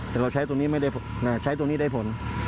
แต่เราใช้ตรงนี้ไม่ได้ใช้ตัวนี้ได้ผล